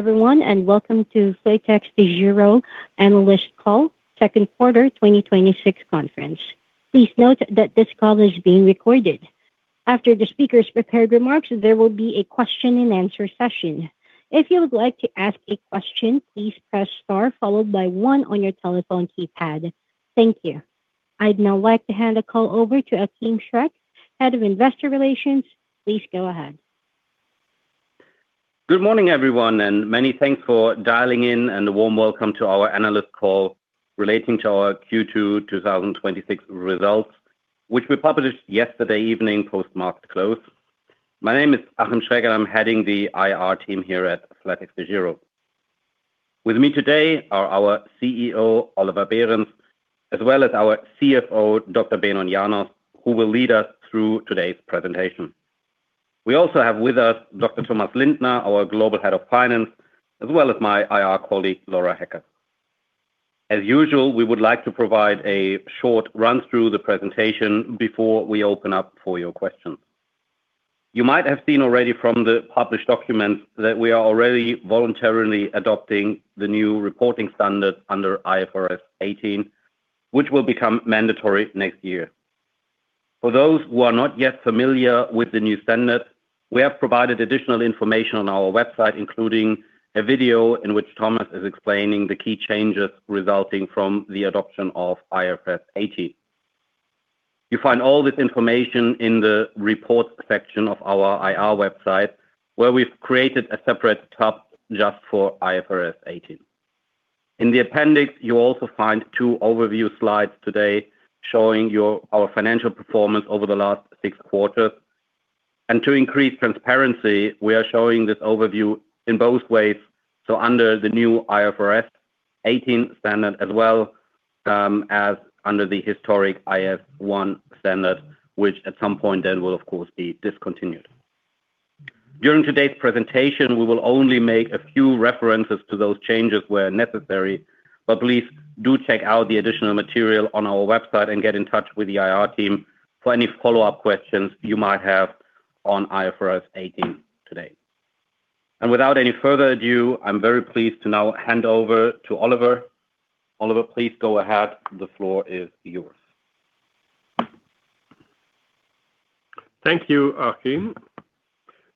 Hello everyone. Welcome to flatexDEGIRO Analyst Call, Second Quarter 2026 Conference. Please note that this call is being recorded. After the speakers' prepared remarks, there will be a question and answer session. If you would like to ask a question, please press star followed by one on your telephone keypad. Thank you. I would now like to hand the call over to Achim Schreck, Head of Investor Relations. Please go ahead. Good morning, everyone. Many thanks for dialing in and a warm welcome to our analyst call relating to our Q2 2026 results, which we published yesterday evening, post market close. My name is Achim Schreck, I am heading the IR team here at flatexDEGIRO. With me today are our CEO, Oliver Behrens, as well as our CFO, Dr. Benon Janos, who will lead us through today's presentation. We also have with us Dr. Thomas Lindner, our Global Head of Finance, as well as my IR colleague, Laura Hecker. As usual, we would like to provide a short run through the presentation before we open up for your questions. You might have seen already from the published documents that we are already voluntarily adopting the new reporting standard under IFRS 18, which will become mandatory next year. For those who are not yet familiar with the new standard, we have provided additional information on our website, including a video in which Thomas is explaining the key changes resulting from the adoption of IFRS 18. You find all this information in the reports section of our IR website, where we have created a separate tab just for IFRS 18. In the appendix, you also find two overview slides today showing our financial performance over the last six quarters. To increase transparency, we are showing this overview in both ways, so under the new IFRS 18 standard, as well as under the historic IF1 standard, which at some point then will of course be discontinued. During today's presentation, we will only make a few references to those changes where necessary, but please do check out the additional material on our website and get in touch with the IR team for any follow-up questions you might have on IFRS 18 today. Without any further ado, I am very pleased to now hand over to Oliver. Oliver, please go ahead. The floor is yours. Thank you, Achim.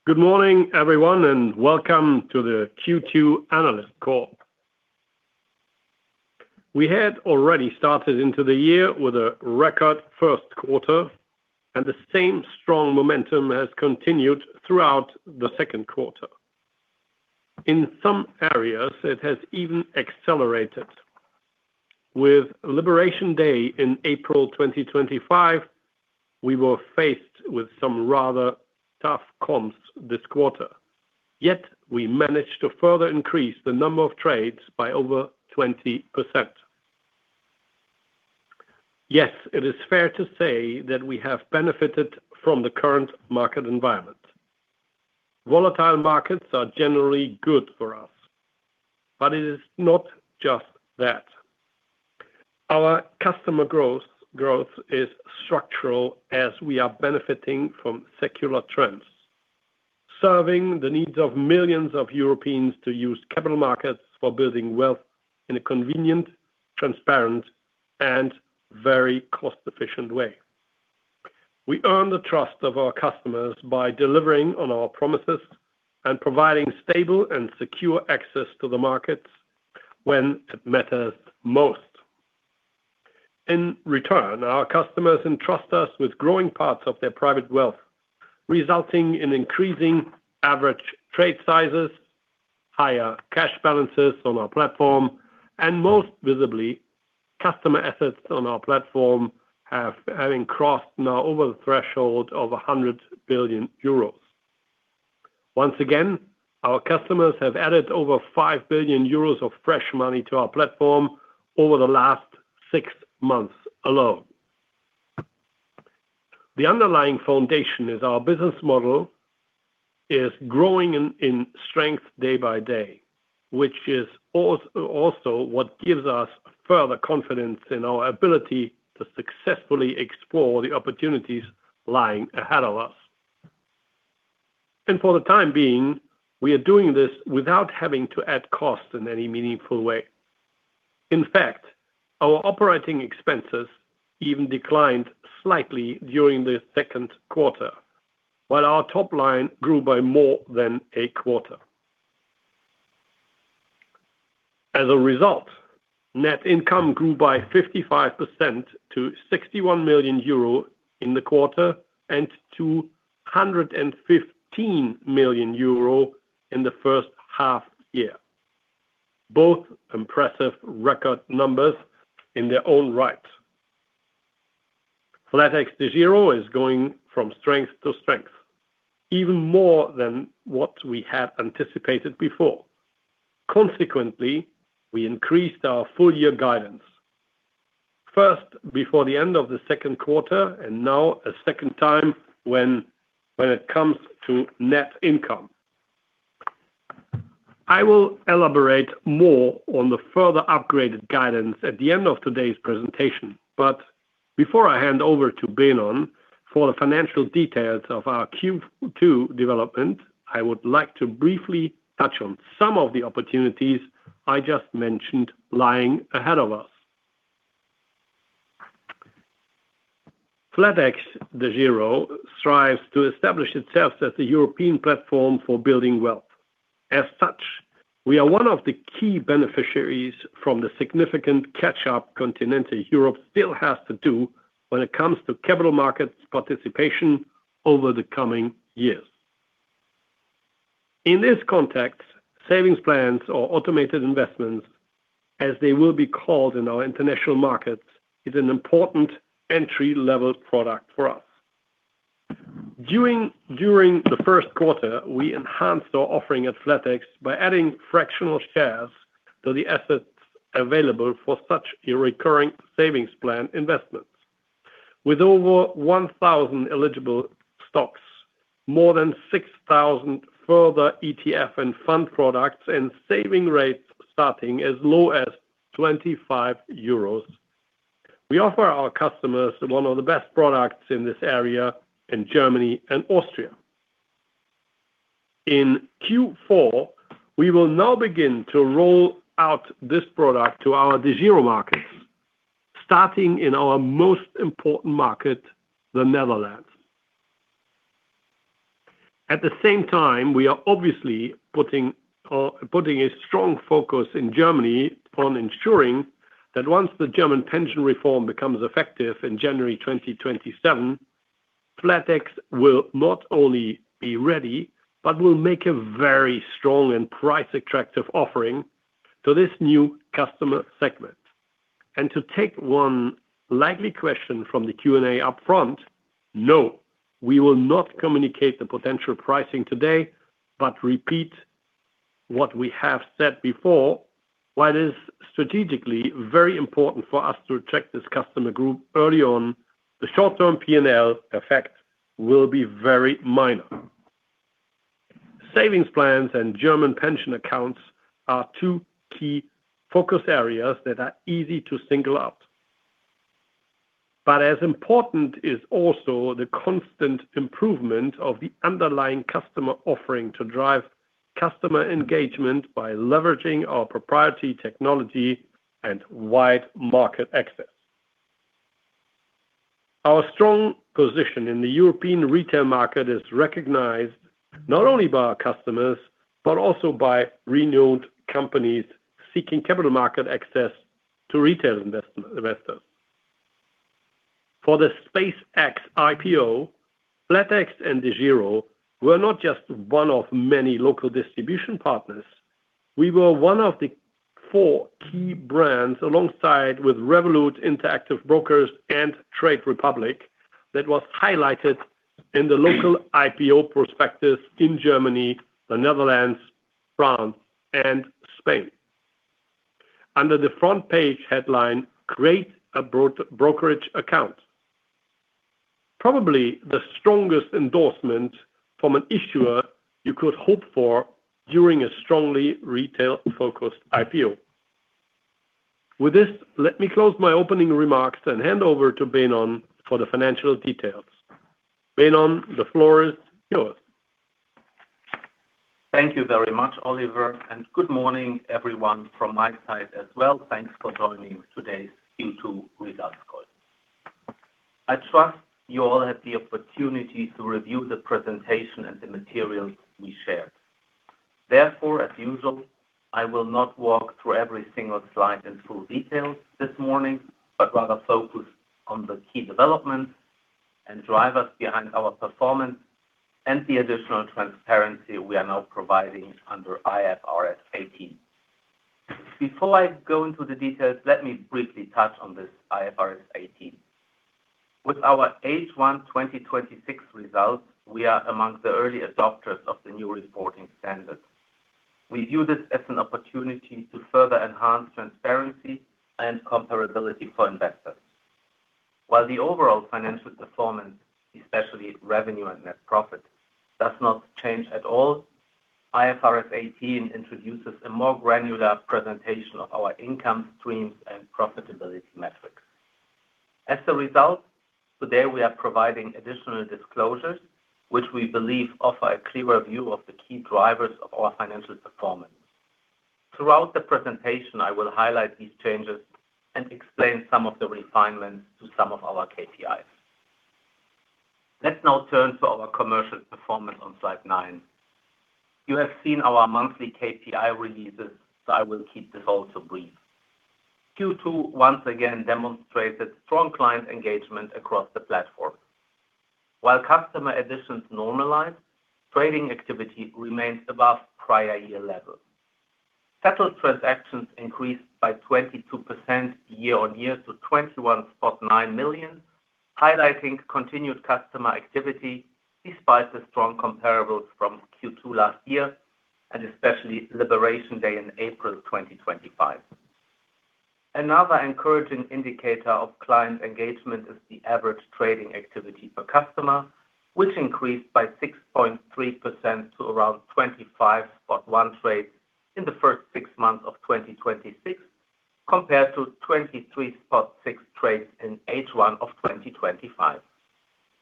Good morning, everyone, welcome to the Q2 analyst call. We had already started into the year with a record first quarter, the same strong momentum has continued throughout the second quarter. In some areas, it has even accelerated. With Liberation Day in April 2025, we were faced with some rather tough comps this quarter. Yet we managed to further increase the number of trades by over 20%. Yes, it is fair to say that we have benefited from the current market environment. Volatile markets are generally good for us, it is not just that. Our customer growth is structural, as we are benefiting from secular trends, serving the needs of millions of Europeans to use capital markets for building wealth in a convenient, transparent, and very cost-efficient way. We earn the trust of our customers by delivering on our promises and providing stable and secure access to the markets when it matters most. In return, our customers entrust us with growing parts of their private wealth, resulting in increasing average trade sizes, higher cash balances on our platform, and most visibly, customer assets on our platform having crossed now over the threshold of 100 billion euros. Once again, our customers have added over 5 billion euros of fresh money to our platform over the last six months alone. The underlying foundation is our business model is growing in strength day by day, which is also what gives us further confidence in our ability to successfully explore the opportunities lying ahead of us. For the time being, we are doing this without having to add cost in any meaningful way. In fact, our operating expenses even declined slightly during the second quarter, while our top line grew by more than a quarter. As a result, net income grew by 55% to 61 million euro in the quarter and to 115 million euro in the first half year. Both impressive record numbers in their own right. flatexDEGIRO is going from strength to strength, even more than what we had anticipated before. Consequently, we increased our full year guidance, first before the end of the second quarter, now a second time when it comes to net income. I will elaborate more on the further upgraded guidance at the end of today's presentation, before I hand over to Benon for the financial details of our Q2 development, I would like to briefly touch on some of the opportunities I just mentioned lying ahead of us. flatexDEGIRO strives to establish itself as the European platform for building wealth. As such, we are one of the key beneficiaries from the significant catch-up continental Europe still has to do when it comes to capital markets participation over the coming years. In this context, savings plans or automated investments, as they will be called in our international markets, is an important entry-level product for us. During the first quarter, we enhanced our offering at flatex by adding fractional shares to the assets available for such a recurring savings plan investment. With over 1,000 eligible stocks, more than 6,000 further ETF and fund products, and saving rates starting as low as 25 euros. We offer our customers one of the best products in this area in Germany and Austria. In Q4, we will now begin to roll out this product to our DEGIRO markets, starting in our most important market, the Netherlands. At the same time, we are obviously putting a strong focus in Germany on ensuring that once the German pension reform becomes effective in January 2027, flatex will not only be ready but will make a very strong and price-attractive offering to this new customer segment. To take one likely question from the Q&A upfront, no, we will not communicate the potential pricing today, but repeat what we have said before. While it is strategically very important for us to attract this customer group early on, the short-term P&L effect will be very minor. Savings plans and German pension accounts are two key focus areas that are easy to single out. As important is also the constant improvement of the underlying customer offering to drive customer engagement by leveraging our proprietary technology and wide market access. Our strong position in the European retail market is recognized not only by our customers, but also by renowned companies seeking capital market access to retail investors. For the SpaceX IPO, flatex and DEGIRO were not just one of many local distribution partners. We were one of the four key brands, alongside Revolut, Interactive Brokers, and Trade Republic, that was highlighted in the local IPO prospectus in Germany, the Netherlands, France, and Spain. Under the front-page headline, "Create a brokerage account." Probably the strongest endorsement from an issuer you could hope for during a strongly retail-focused IPO. With this, let me close my opening remarks and hand over to Benon for the financial details. Benon, the floor is yours. Thank you very much, Oliver, and good morning everyone from my side as well. Thanks for joining today's Q2 results call. I trust you all had the opportunity to review the presentation and the materials we shared. Therefore, as usual, I will not walk through every single slide in full detail this morning, but rather focus on the key developments and drivers behind our performance and the additional transparency we are now providing under IFRS 18. Before I go into the details, let me briefly touch on this IFRS 18. With our H1 2026 results, we are among the early adopters of the new reporting standard. We view this as an opportunity to further enhance transparency and comparability for investors. While the overall financial performance, especially revenue and net profit, does not change at all, IFRS 18 introduces a more granular presentation of our income streams and profitability metrics. As a result, today we are providing additional disclosures, which we believe offer a clearer view of the key drivers of our financial performance. Throughout the presentation, I will highlight these changes and explain some of the refinements to some of our KPIs. Let's now turn to our commercial performance on slide nine. You have seen our monthly KPI releases, so I will keep this also brief. Q2 once again demonstrated strong client engagement across the platform. While customer additions normalized, trading activity remains above prior year levels. Settled transactions increased by 22% year-on-year to 21.9 million, highlighting continued customer activity despite the strong comparables from Q2 last year, and especially Liberation Day in April 2025. Another encouraging indicator of client engagement is the average trading activity per customer, which increased by 6.3% to around 25.1 trades in the first six months of 2026, compared to 23.6 trades in H1 of 2025.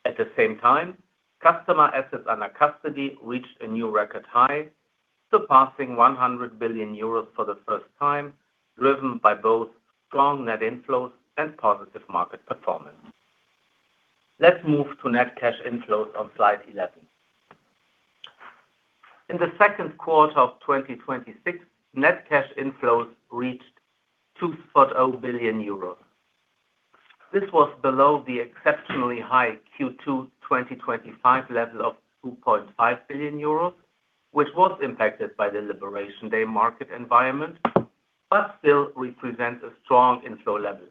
At the same time, customer assets under custody reached a new record high, surpassing 100 billion euros for the first time, driven by both strong net inflows and positive market performance. Let's move to net cash inflows on slide 11. In the second quarter of 2026, net cash inflows reached 2.0 billion euros. This was below the exceptionally high Q2 2025 level of 2.5 billion euros, which was impacted by the Liberation Day market environment, but still represents a strong inflow level.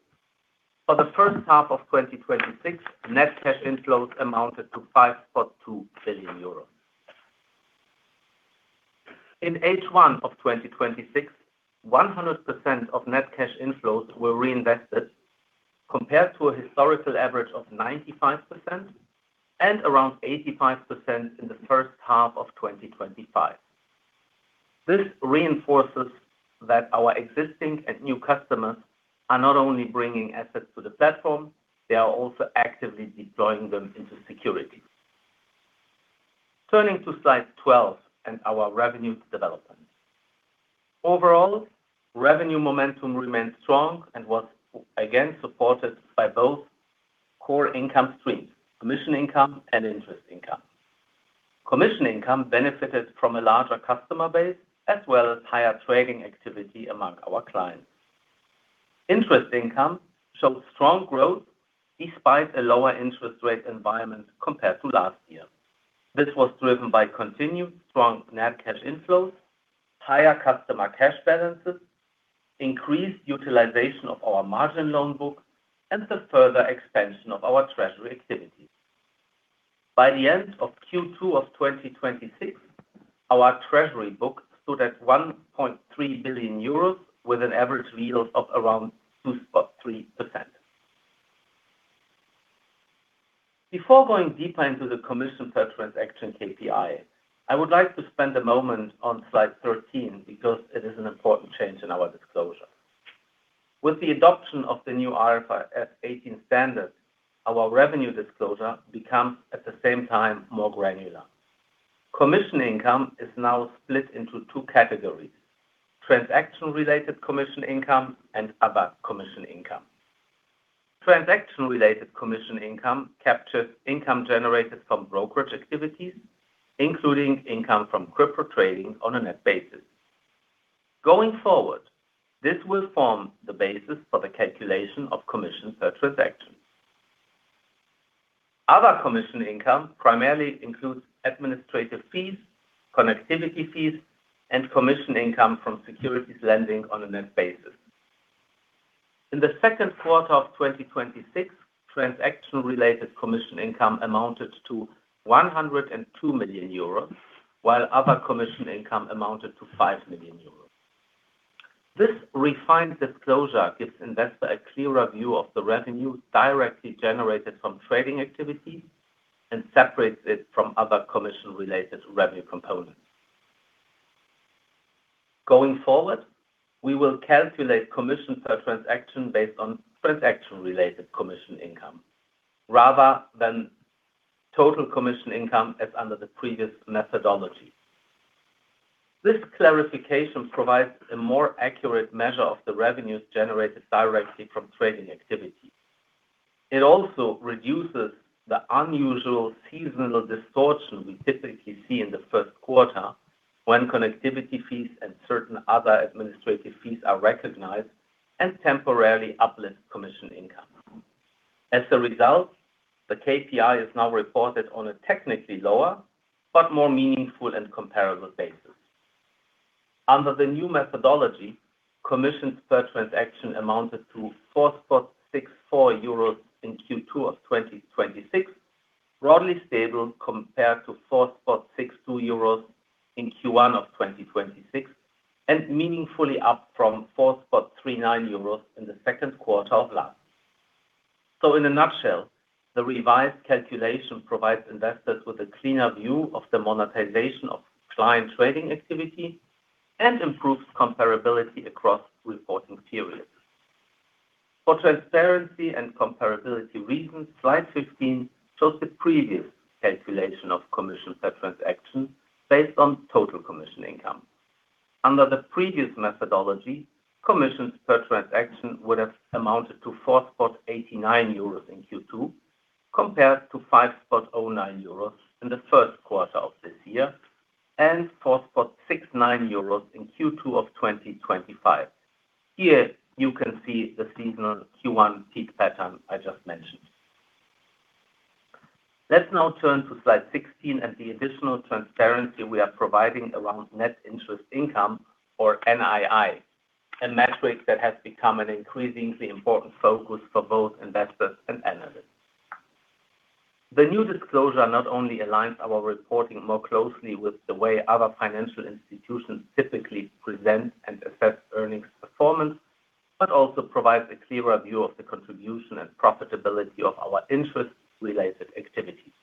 For the first half of 2026, net cash inflows amounted to 5.2 billion euros. In H1 of 2026, 100% of net cash inflows were reinvested, compared to a historical average of 95% and around 85% in the first half of 2025. This reinforces that our existing and new customers are not only bringing assets to the platform, they are also actively deploying them into securities. Turning to slide 12 and our revenue development. Overall, revenue momentum remained strong and was again supported by both core income streams: commission income and interest income. Commission income benefited from a larger customer base as well as higher trading activity among our clients. Interest income showed strong growth despite a lower interest rate environment compared to last year. This was driven by continued strong net cash inflows, higher customer cash balances, increased utilization of our margin loan book, and the further expansion of our treasury activities. By the end of Q2 of 2026, our treasury book stood at 1.3 billion euros, with an average yield of around 2.3%. Before going deeper into the commission per transaction KPI, I would like to spend a moment on slide 13 because it is an important change in our disclosure. With the adoption of the new IFRS 18 standard, our revenue disclosure becomes at the same time more granular. Commission income is now split into two categories: transaction-related commission income and other commission income. Transaction-related commission income captures income generated from brokerage activities, including income from crypto trading on a net basis. Going forward, this will form the basis for the calculation of commission per transaction. Other commission income primarily includes administrative fees, connectivity fees, and commission income from securities lending on a net basis. In the second quarter of 2026, transaction-related commission income amounted to 102 million euros, while other commission income amounted to 5 million euros. This refined disclosure gives investors a clearer view of the revenue directly generated from trading activities and separates it from other commission-related revenue components. Going forward, we will calculate commission per transaction based on transaction-related commission income rather than total commission income as under the previous methodology. This clarification provides a more accurate measure of the revenues generated directly from trading activities. It also reduces the unusual seasonal distortion we typically see in the first quarter when connectivity fees and certain other administrative fees are recognized and temporarily uplift commission income. As a result, the KPI is now reported on a technically lower but more meaningful and comparable basis. Under the new methodology, commissions per transaction amounted to 4.64 euros in Q2 of 2026, broadly stable compared to 4.62 euros in Q1 of 2026, and meaningfully up from 4.39 euros in the second quarter of last year. In a nutshell, the revised calculation provides investors with a cleaner view of the monetization of client trading activity and improves comparability across reporting periods. For transparency and comparability reasons, slide 15 shows the previous calculation of commission per transaction based on total commission income. Under the previous methodology, commissions per transaction would have amounted to 4.89 euros in Q2, compared to 5.09 euros in the first quarter of this year, and 4.69 euros in Q2 of 2025. Here you can see the seasonal Q1 peak pattern I just mentioned. Let's now turn to slide 16 and the additional transparency we are providing around net interest income or NII, a metric that has become an increasingly important focus for both investors and analysts. The new disclosure not only aligns our reporting more closely with the way other financial institutions typically present and assess earnings performance, but also provides a clearer view of the contribution and profitability of our interest-related activities.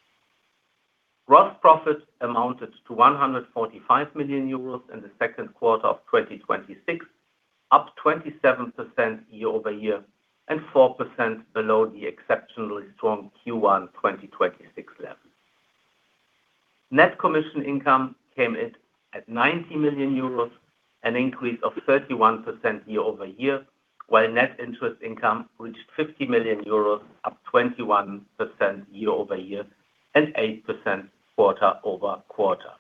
Gross profit amounted to 145 million euros in the second quarter of 2026, up 27% year-over-year and 4% below the exceptionally strong Q1 2026 level. Net commission income came in at 90 million euros, an increase of 31% year-over-year, while net interest income reached 50 million euros, up 21% year-over-year and 8% quarter-over-quarter.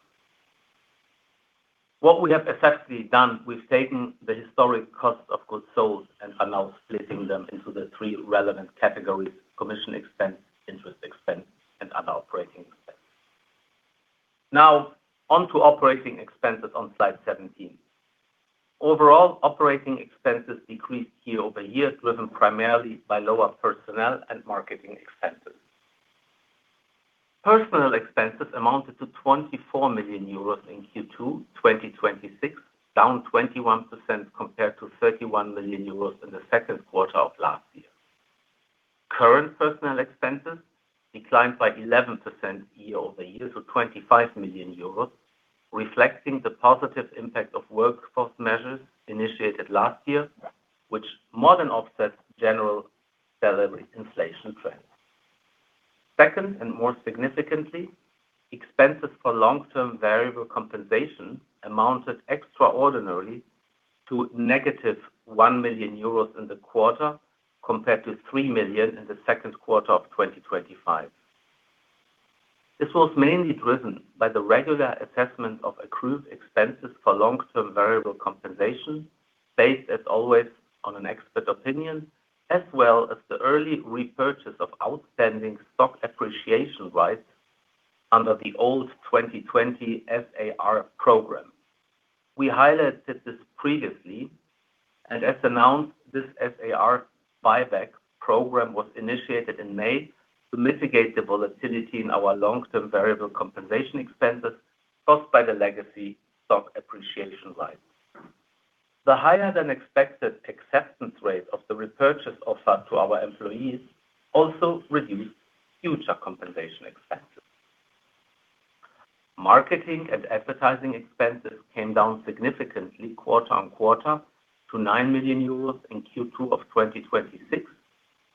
What we have effectively done, we've taken the historic cost of goods sold and are now splitting them into the three relevant categories: commission expense, interest expense, and other operating expense. Now on to operating expenses on slide 17. Overall operating expenses decreased year-over-year, driven primarily by lower personnel and marketing expenses. Personnel expenses amounted to 24 million euros in Q2 2026, down 21% compared to 31 million euros in the second quarter of last year. Current personnel expenses declined by 11% year-over-year to 25 million euros, reflecting the positive impact of workforce measures initiated last year, which more than offset general salary inflation trends. Second, and more significantly, expenses for long-term variable compensation amounted extraordinarily to negative 1 million euros in the quarter, compared to 3 million in the second quarter of 2025. This was mainly driven by the regular assessment of accrued expenses for long-term variable compensation based, as always, on an expert opinion, as well as the early repurchase of outstanding stock appreciation rights under the old 2020 SAR Program. We highlighted this previously and as announced, this SAR buyback program was initiated in May to mitigate the volatility in our long-term variable compensation expenses caused by the legacy stock appreciation rights. The higher-than-expected acceptance rate of the repurchase offer to our employees also reduced future compensation expenses. Marketing and advertising expenses came down significantly quarter-on-quarter to 9 million euros in Q2 of 2026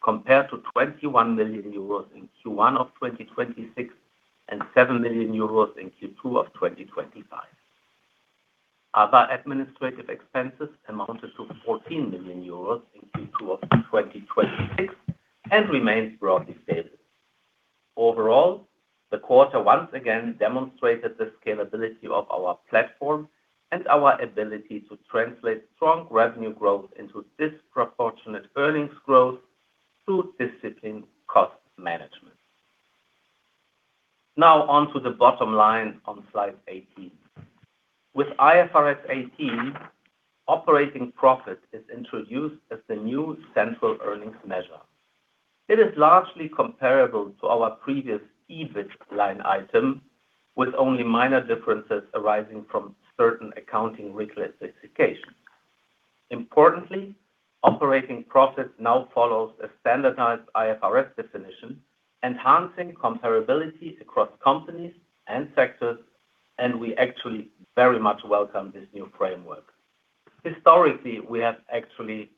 compared to 21 million euros in Q1 of 2026 and 7 million euros in Q2 of 2025. Other administrative expenses amounted to 14 million euros in Q2 of 2026 and remained broadly stable. Overall, the quarter once again demonstrated the scalability of our platform and our ability to translate strong revenue growth into disproportionate earnings growth through disciplined cost management. On to the bottom line on slide 18. With IFRS 18, operating profit is introduced as the new central earnings measure. It is largely comparable to our previous EBIT line item with only minor differences arising from certain accounting reclassifications. Importantly, operating profit now follows a standardized IFRS definition, enhancing comparability across companies and sectors, and we actually very much welcome this new framework. Historically, we have actually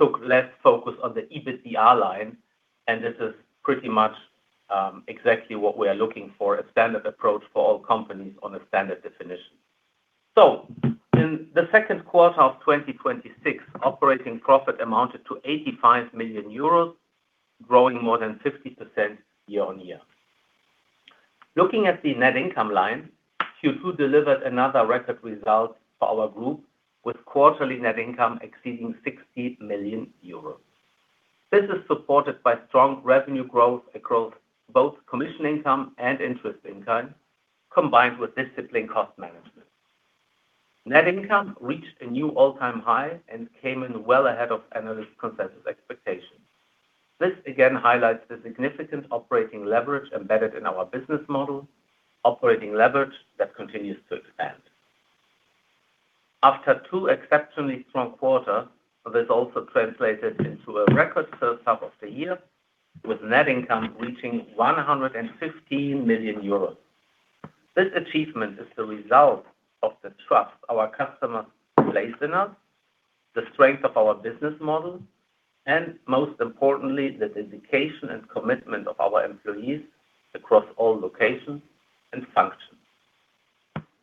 took less focus on the EBITDA line, and this is pretty much exactly what we are looking for, a standard approach for all companies on a standard definition. In the second quarter of 2026, operating profit amounted to 85 million euros, growing more than 50% year-on-year. Looking at the net income line, Q2 delivered another record result for our group, with quarterly net income exceeding 60 million euros. This is supported by strong revenue growth across both commission income and interest income, combined with disciplined cost management. Net income reached a new all-time high and came in well ahead of analyst consensus expectations. This again highlights the significant operating leverage embedded in our business model, operating leverage that continues to expand. After two exceptionally strong quarters, this also translated into a record first half of the year, with net income reaching 115 million euros. This achievement is the result of the trust our customers place in us, the strength of our business model, and most importantly, the dedication and commitment of our employees across all locations and functions.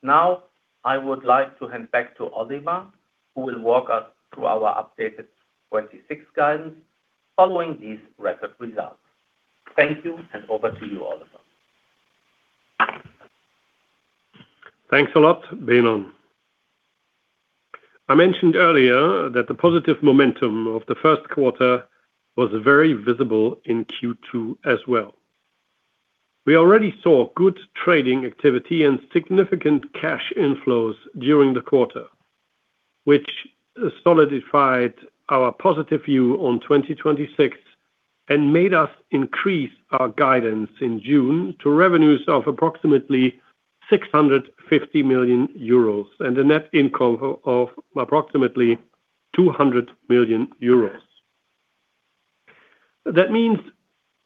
Now, I would like to hand back to Oliver, who will walk us through our updated 2026 guidance following these record results. Thank you, over to you, Oliver. Thanks a lot, Benon. I mentioned earlier that the positive momentum of the first quarter was very visible in Q2 as well. We already saw good trading activity and significant cash inflows during the quarter, which solidified our positive view on 2026 and made us increase our guidance in June to revenues of approximately 650 million euros and a net income of approximately 200 million euros. That means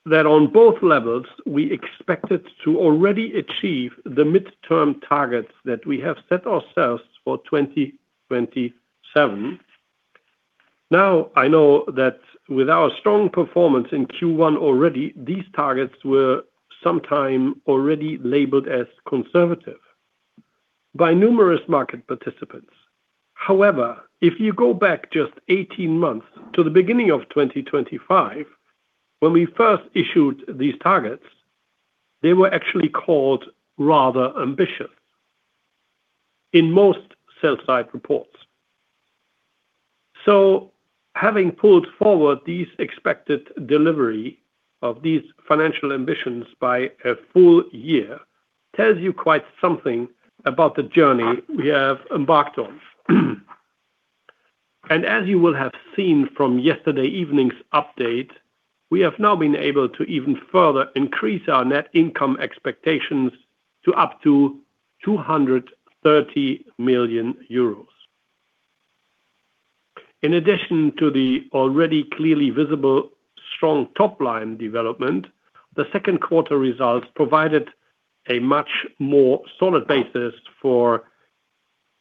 that on both levels, we expected to already achieve the midterm targets that we have set ourselves for 2027. I know that with our strong performance in Q1 already, these targets were sometime already labeled as conservative by numerous market participants. If you go back just 18 months to the beginning of 2025, when we first issued these targets, they were actually called rather ambitious in most sell-side reports. Having pulled forward these expected delivery of these financial ambitions by a full year tells you quite something about the journey we have embarked on. As you will have seen from yesterday evening's update, we have now been able to even further increase our net income expectations to up to 230 million euros. In addition to the already clearly visible strong top-line development, the second quarter results provided a much more solid basis for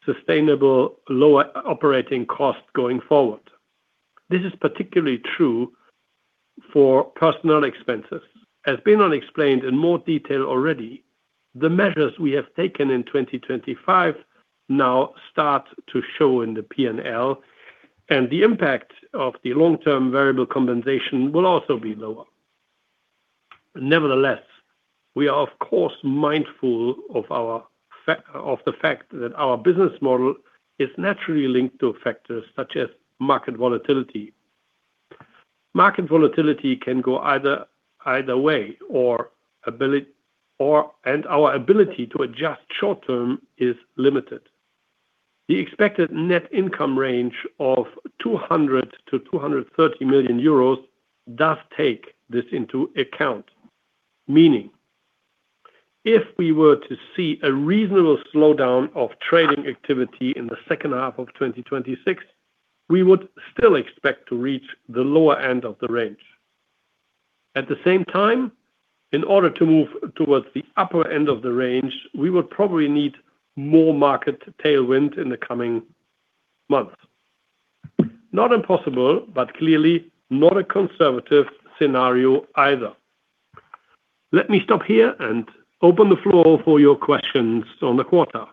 sustainable lower operating costs going forward. This is particularly true for personal expenses. As Benon explained in more detail already, the measures we have taken in 2025 now start to show in the P&L, and the impact of the long-term variable compensation will also be lower. Nevertheless, we are of course mindful of the fact that our business model is naturally linked to factors such as market volatility. Market volatility can go either way, and our ability to adjust short-term is limited. The expected net income range of 200 million-230 million euros does take this into account. Meaning, if we were to see a reasonable slowdown of trading activity in the second half of 2026, we would still expect to reach the lower end of the range. At the same time, in order to move towards the upper end of the range, we would probably need more market tailwind in the coming months. Not impossible, but clearly not a conservative scenario either. Let me stop here and open the floor for your questions on the quarter.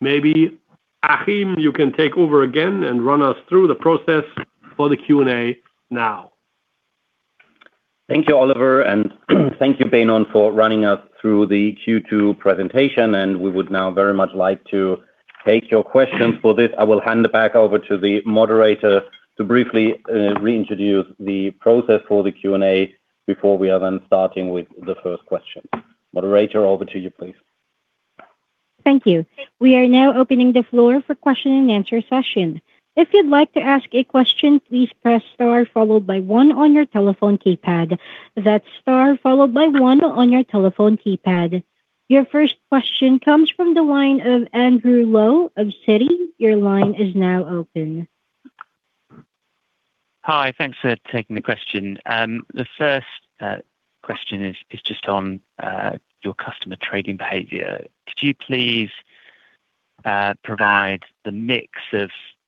Maybe Achim, you can take over again and run us through the process for the Q&A now. Thank you, Oliver, and thank you, Benon, for running us through the Q2 presentation. We would now very much like to take your questions. For this, I will hand it back over to the moderator to briefly reintroduce the process for the Q&A before we are then starting with the first question. Moderator, over to you, please. Thank you. We are now opening the floor for question and answer session. If you'd like to ask a question, please press star followed by one on your telephone keypad. That's star followed by one on your telephone keypad. Your first question comes from the line of Andrew Lowe of Citi. Your line is now open. Hi, thanks for taking the question. The first question is just on your customer trading behavior. Could you please provide the mix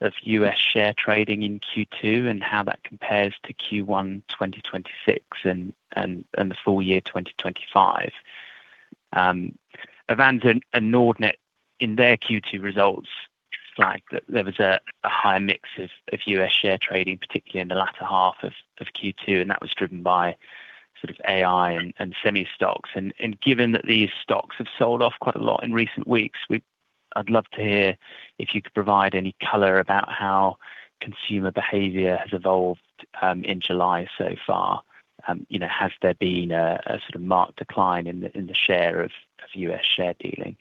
of U.S. share trading in Q2 and how that compares to Q1 2026 and the full year 2025? Avanza and Nordnet, in their Q2 results, flagged that there was a higher mix of U.S. share trading, particularly in the latter half of Q2, and that was driven by AI and semi stocks. Given that these stocks have sold off quite a lot in recent weeks, I'd love to hear if you could provide any color about how consumer behavior has evolved in July so far. Has there been a marked decline in the share of U.S. share dealing?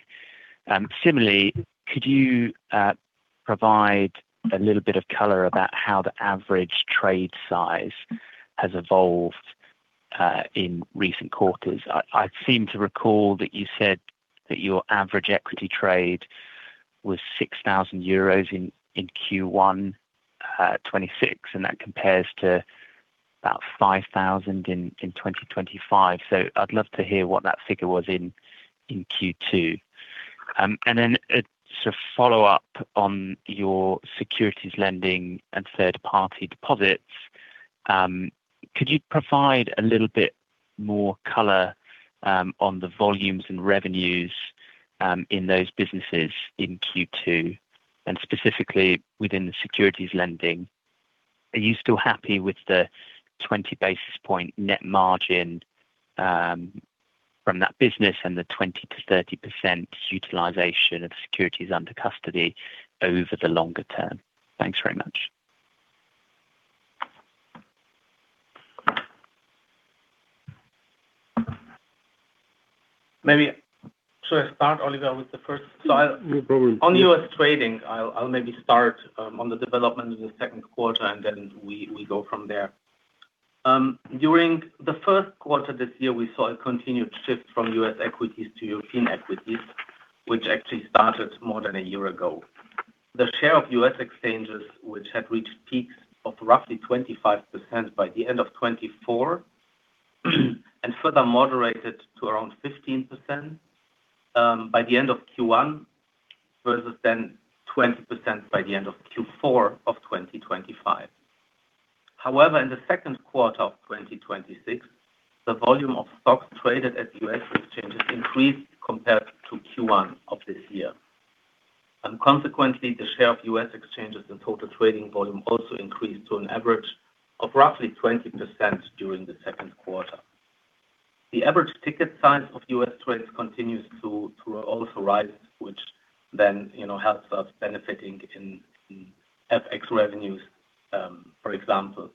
Similarly, could you provide a little bit of color about how the average trade size has evolved in recent quarters? I seem to recall that you said that your average equity trade was 6,000 euros in Q1 2026, and that compares to about 5,000 in 2025. I'd love to hear what that figure was in Q2. Just a follow-up on your securities lending and third-party deposits. Could you provide a little bit more color on the volumes and revenues in those businesses in Q2? Specifically within the securities lending, are you still happy with the 20 basis point net margin from that business and the 20%-30% utilization of securities under custody over the longer term? Thanks very much. Maybe. Should I start, Oliver, with the first? No, go on. On U.S. trading, I'll maybe start on the development in the second quarter. Then we go from there. During the first quarter this year, we saw a continued shift from U.S. equities to European equities, which actually started more than a year ago. The share of U.S. exchanges, which had reached peaks of roughly 25% by the end of 2024 and further moderated to around 15% by the end of Q1, versus then 20% by the end of Q4 of 2025. However, in the second quarter of 2026, the volume of stocks traded at U.S. exchanges increased compared to Q1 of this year. Consequently, the share of U.S. exchanges and total trading volume also increased to an average of roughly 20% during the second quarter. The average ticket size of U.S. trades continues to also rise, which then helps us benefiting in FX revenues, for example.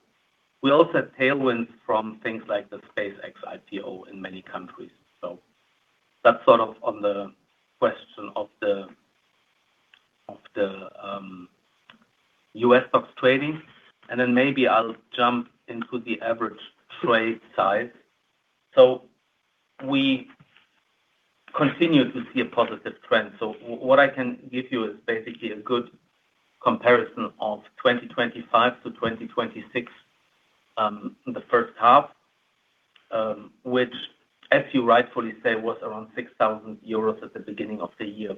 We also have tailwinds from things like the SpaceX IPO in many countries. That's on the question of the U.S. stocks trading. Then maybe I'll jump into the average trade size. We continue to see a positive trend. What I can give you is basically a good comparison of 2025 to 2026, the first half, which as you rightfully say, was around 6,000 euros at the beginning of the year.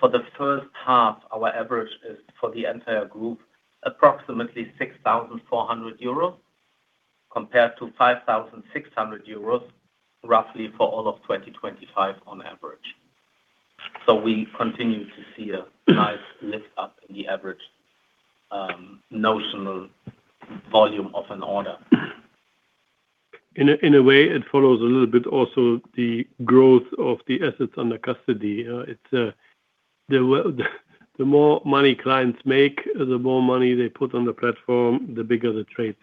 For the first half, our average is, for the entire group, approximately 6,400 euros, compared to 5,600 euros roughly for all of 2025 on average. We continue to see a nice lift up in the average notional volume of an order. In a way, it follows a little bit also the growth of the assets under custody. The more money clients make, the more money they put on the platform, the bigger the trades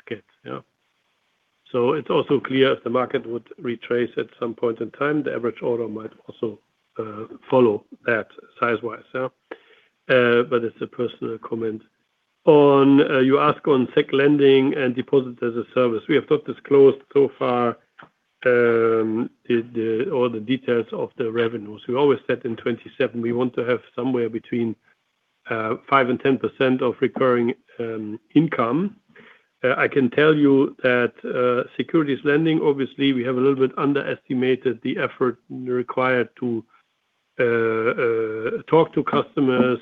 get. It's also clear if the market would retrace at some point in time, the average order might also follow that size-wise. It's a personal comment. You ask on sec lending and Deposits as a Service. We have not disclosed so far all the details of the revenues. We always said in 2027, we want to have somewhere between 5% and 10% of recurring income. I can tell you that securities lending, obviously, we have a little bit underestimated the effort required to talk to customers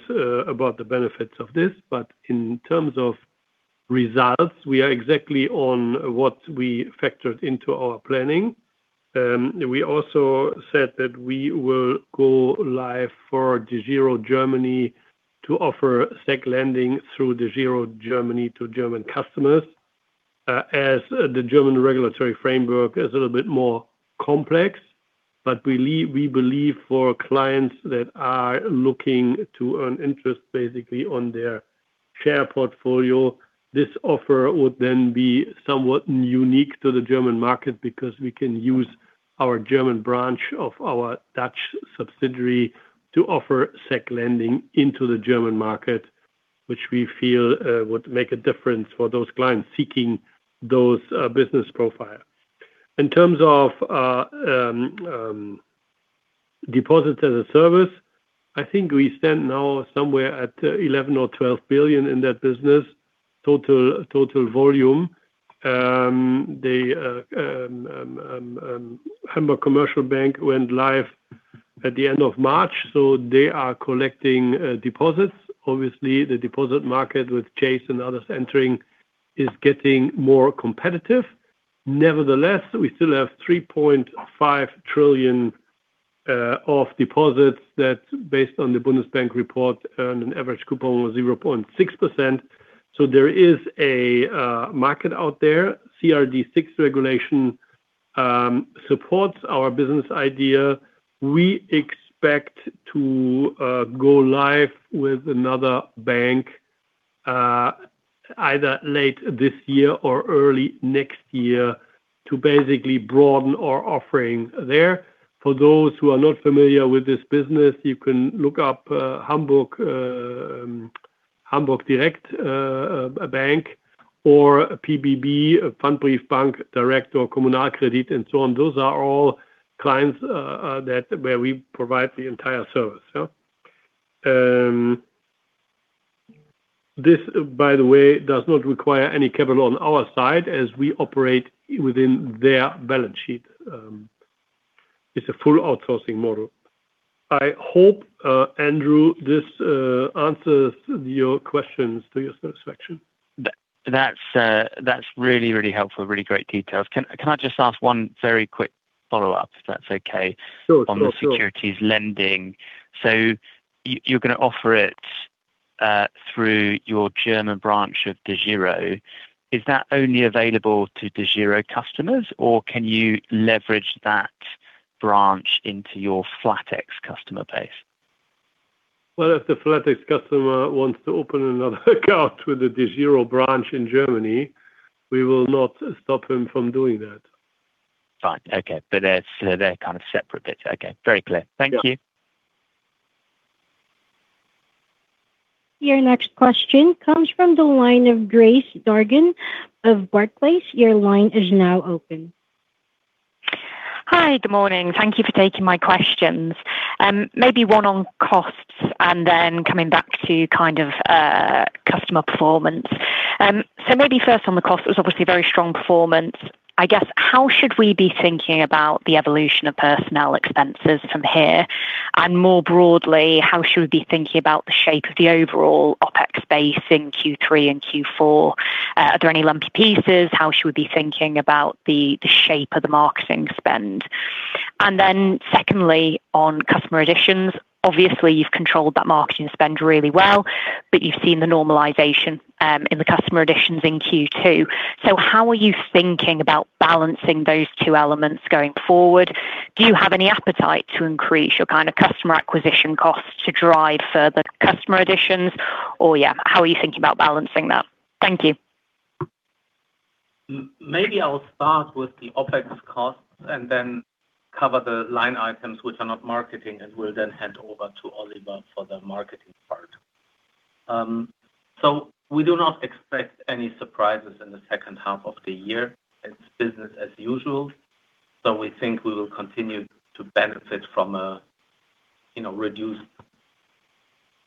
about the benefits of this. In terms of results, we are exactly on what we factored into our planning. We also said that we will go live for DEGIRO Germany to offer sec lending through DEGIRO Germany to German customers, as the German regulatory framework is a little bit more complex. We believe for clients that are looking to earn interest basically on their share portfolio, this offer would then be somewhat unique to the German market because we can use our German branch of our Dutch subsidiary to offer sec lending into the German market, which we feel would make a difference for those clients seeking those business profile. In terms of Deposits as a Service, I think we stand now somewhere at 11 billion or 12 billion in that business. Total volume. The Hamburg Commercial Bank went live at the end of March, so they are collecting deposits. Obviously, the deposit market with Chase and others entering is getting more competitive. Nevertheless, we still have 3.5 trillion of deposits that, based on the Bundesbank report, earned an average coupon of 0.6%. There is a market out there. CRD VI regulation supports our business idea. We expect to go live with another bank either late this year or early next year to basically broaden our offering there. For those who are not familiar with this business, you can look up Hamburg Direct Bank, or PBB, Pfandbriefbank Direkt or Kommunalkredit, and so on. Those are all clients where we provide the entire service. This, by the way, does not require any capital on our side as we operate within their balance sheet. It's a full outsourcing model. I hope, Andrew, this answers your questions to your satisfaction. That's really helpful. Really great details. Can I just ask one very quick follow-up, if that's okay? Sure. On the securities lending. You're going to offer it through your German branch of DEGIRO. Is that only available to DEGIRO customers, or can you leverage that branch into your flatex customer base? Well, if the flatex customer wants to open another account with the DEGIRO branch in Germany, we will not stop him from doing that. Fine. Okay. They're kind of separate bits. Okay. Very clear. Thank you. Yeah. Your next question comes from the line of Grace Dargan of Barclays. Your line is now open. Hi, good morning. Thank you for taking my questions. Maybe one on costs and then coming back to customer performance. Maybe first on the cost, it was obviously a very strong performance. I guess, how should we be thinking about the evolution of personnel expenses from here? More broadly, how should we be thinking about the shape of the overall OpEx base in Q3 and Q4? Are there any lumpy pieces? How should we be thinking about the shape of the marketing spend? Secondly, on customer additions, obviously you've controlled that marketing spend really well, you've seen the normalization in the customer additions in Q2. How are you thinking about balancing those two elements going forward? Do you have any appetite to increase your kind of customer acquisition costs to drive further customer additions or yeah, how are you thinking about balancing that? Thank you. I'll start with the OpEx costs and then cover the line items which are not marketing, and will then hand over to Oliver for the marketing part. We do not expect any surprises in the second half of the year. It's business as usual. We think we will continue to benefit from a reduced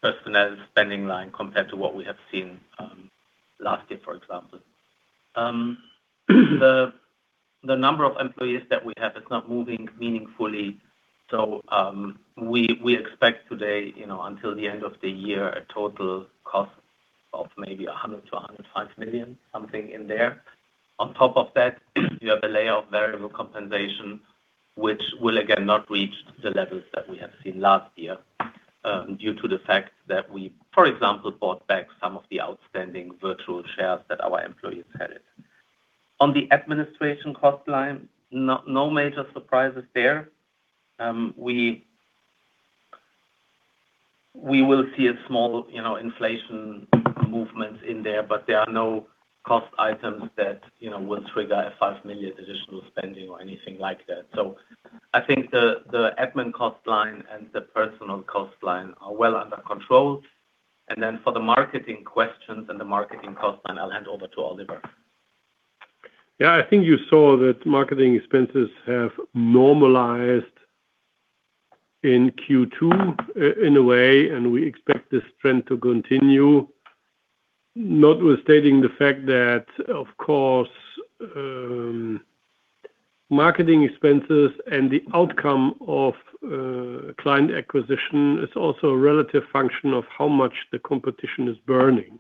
personnel spending line compared to what we have seen last year, for example. The number of employees that we have is not moving meaningfully, so we expect today, until the end of the year, a total cost of maybe 100 million to 105 million, something in there. On top of that, you have a layer of variable compensation, which will again not reach the levels that we have seen last year due to the fact that we, for example, bought back some of the outstanding virtual shares that our employees headed. On the administration cost line, no major surprises there. We will see a small inflation movements in there, but there are no cost items that will trigger a 5 million additional spending or anything like that. I think the admin cost line and the personal cost line are well under control. For the marketing questions and the marketing cost line, I'll hand over to Oliver. I think you saw that marketing expenses have normalized in Q2 in a way, and we expect this trend to continue, notwithstanding the fact that, of course, marketing expenses and the outcome of client acquisition is also a relative function of how much the competition is burning.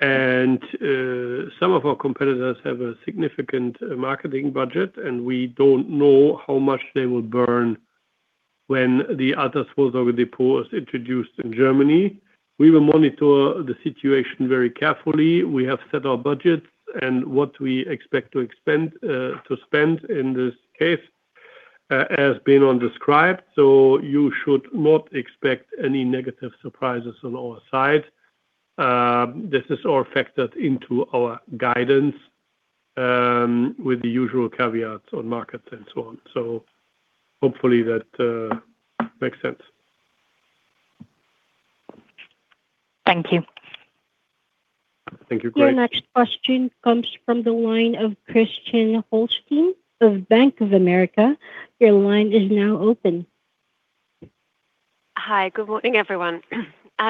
Some of our competitors have a significant marketing budget, and we don't know how much they will burn when the others follow the depots introduced in Germany. We will monitor the situation very carefully. We have set our budgets and what we expect to spend in this case, has been described. You should not expect any negative surprises on our side. This is all factored into our guidance, with the usual caveats on markets and so on. Hopefully that makes sense. Thank you. Thank you. Grace. Your next question comes from the line of Christiane Holstein of Bank of America. Your line is now open. Hi, good morning, everyone.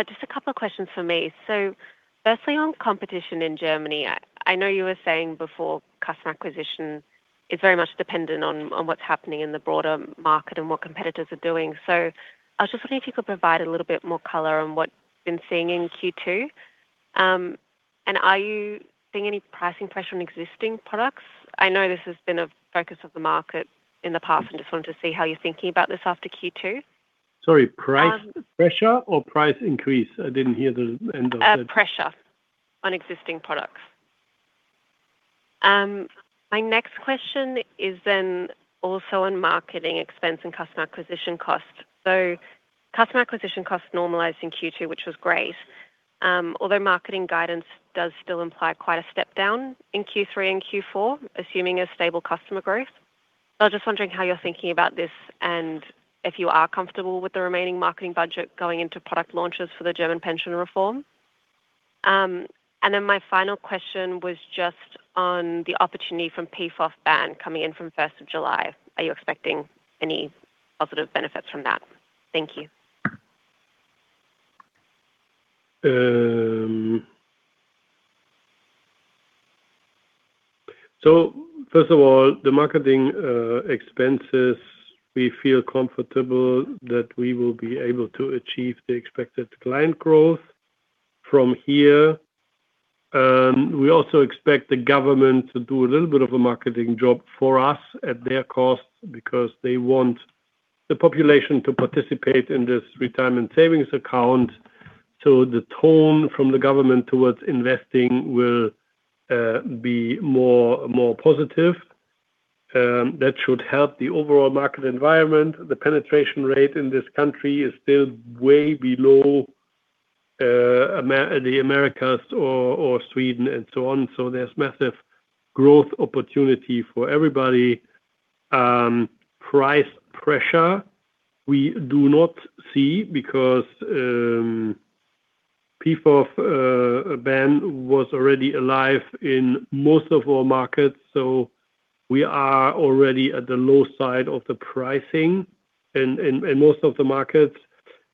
Just a couple of questions for me. Firstly, on competition in Germany, I know you were saying before customer acquisition is very much dependent on what's happening in the broader market and what competitors are doing. I was just wondering if you could provide a little bit more color on what you've been seeing in Q2. Are you seeing any pricing pressure on existing products? I know this has been a focus of the market in the past and just wanted to see how you're thinking about this after Q2. Sorry, price pressure or price increase? I didn't hear the end of the. Pressure on existing products. My next question is then also on marketing expense and customer acquisition costs. Customer acquisition costs normalized in Q2, which was great. Although marketing guidance does still imply quite a step down in Q3 and Q4, assuming a stable customer growth. I was just wondering how you're thinking about this, and if you are comfortable with the remaining marketing budget going into product launches for the German pension reform. My final question was just on the opportunity from PFOF ban coming in from 1st of July. Are you expecting any positive benefits from that? Thank you. First of all, the marketing expenses, we feel comfortable that we will be able to achieve the expected client growth from here. We also expect the government to do a little bit of a marketing job for us at their cost because they want the population to participate in this retirement savings account. The tone from the government towards investing will be more positive. That should help the overall market environment. The penetration rate in this country is still way below the Americas or Sweden and so on. There's massive growth opportunity for everybody. Price pressure, we do not see because PFOF ban was already alive in most of our markets, so we are already at the low side of the pricing in most of the markets.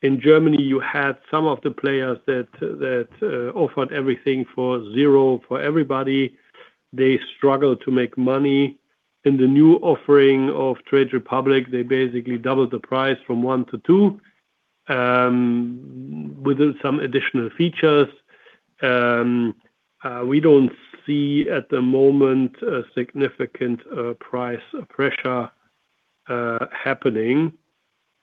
In Germany, you had some of the players that offered everything for zero for everybody. They struggle to make money. In the new offering of Trade Republic, they basically doubled the price from one to two, with some additional features. We don't see at the moment a significant price pressure happening.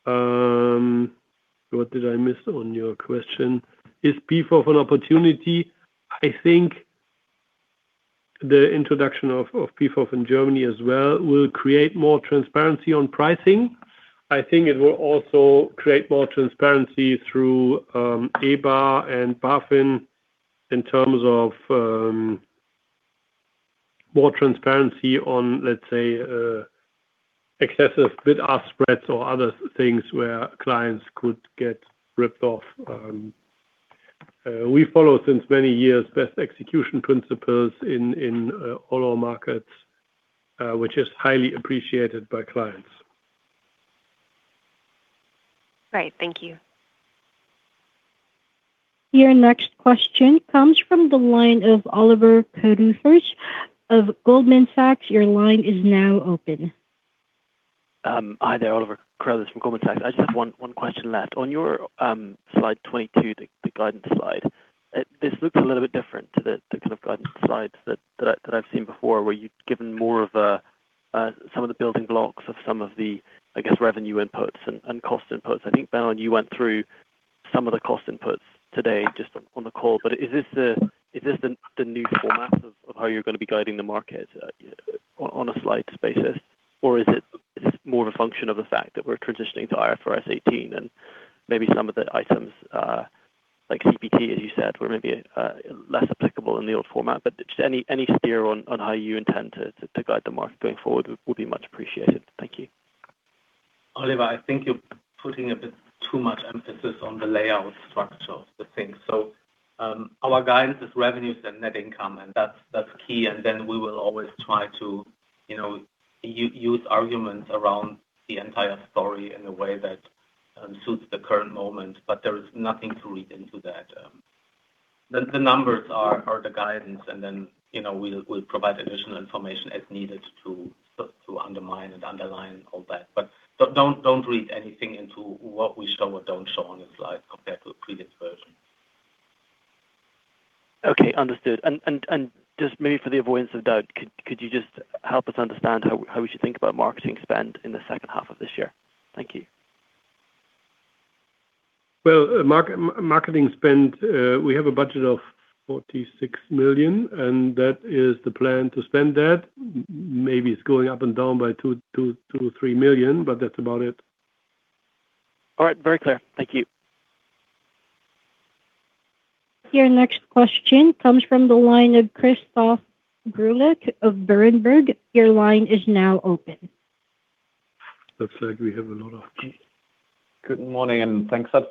What did I miss on your question? Is PFOF an opportunity? I think the introduction of PFOF in Germany as well will create more transparency on pricing. I think it will also create more transparency through EBA and BaFin in terms of more transparency on, let's say, excessive bid-ask spreads or other things where clients could get ripped off. We follow since many years best execution principles in all our markets, which is highly appreciated by clients. Right. Thank you. Your next question comes from the line of Oliver Carruthers of Goldman Sachs. Your line is now open. Hi there, Oliver Carruthers from Goldman Sachs. I just have one question left. On your slide 22, the guidance slide, this looks a little bit different to the kind of guidance slides that I've seen before, where you've given more of some of the building blocks of some of the, I guess, revenue inputs and cost inputs. I think, Benon, you went through some of the cost inputs today just on the call. Is this the new format of how you're going to be guiding the market on a slide basis, or is it more of a function of the fact that we're transitioning to IFRS 18 and maybe some of the items, like CPT, as you said, were maybe less applicable in the old format? Just any steer on how you intend to guide the market going forward would be much appreciated. Thank you. Oliver, I think you're putting a bit too much emphasis on the layout structure of the thing. Our guidance is revenues and net income, and that's key, and then we will always try to use arguments around the entire story in a way that suits the current moment. There is nothing to read into that. The numbers are the guidance, and then we'll provide additional information as needed to undermine and underline all that. Don't read anything into what we show or don't show on the slide compared to a previous version. Okay, understood. Just maybe for the avoidance of doubt, could you just help us understand how we should think about marketing spend in the second half of this year? Thank you. Well, marketing spend, we have a budget of 46 million, that is the plan to spend that. Maybe it's going up and down by 2 million to 3 million, that's about it. All right. Very clear. Thank you. Your next question comes from the line of Christoph Greulich of Berenberg. Your line is now open. Looks like we have a lot of people. Good morning, thanks for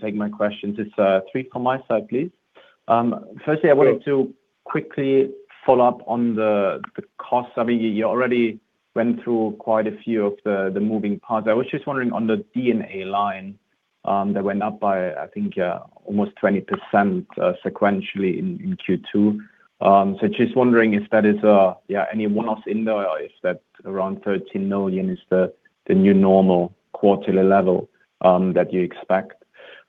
taking my questions. It's three from my side, please. Firstly, I wanted to quickly follow up on the costs. I mean, you already went through quite a few of the moving parts. I was just wondering on the D&A line that went up by, I think, almost 20% sequentially in Q2. Just wondering if that is a one-off thing, or if that around 13 million is the new normal quarterly level that you expect.